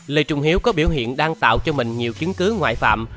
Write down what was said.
lê trung hiếu có biểu hiện đang tạo cho mình nhiều chứng cứ ngoại phạm